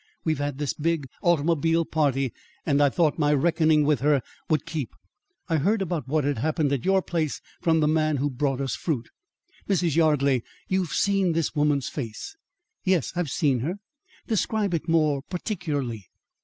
We've had this big automobile party, and I thought my reckoning with her would keep. I heard about what had happened at your place from the man who brought us fruit." "Mrs. Yardley, you've seen this woman's face?" "Yes, I've seen her." "Describe it more particularly."